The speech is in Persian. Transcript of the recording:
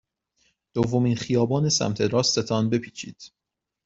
دومین خیابان سمت راست تان بپیچید.